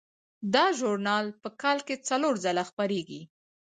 دا ژورنال په کال کې څلور ځله خپریږي.